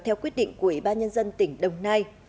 theo quyết định của ủy ban nhân dân tỉnh đồng nai